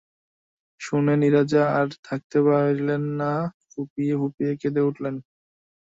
শুনে নীরজা আর থাকতে পারলে না, ফুঁপিয়ে ফুঁপিয়ে কেঁদে উঠল।